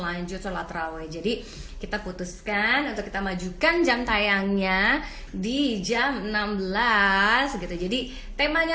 lanjut sholat raweh jadi kita putuskan untuk kita majukan jam tayangnya di jam enam belas gitu jadi temanya